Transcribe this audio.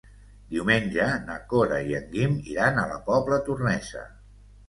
Diumenge na Cora i en Guim iran a la Pobla Tornesa.